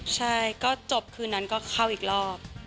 ใช่ก็จบคืนนั้นก็เข้าอีกรอบ